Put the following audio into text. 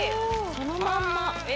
そのまんま。